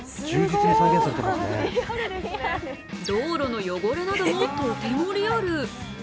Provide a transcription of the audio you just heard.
道路の汚れなども、とてもリアル。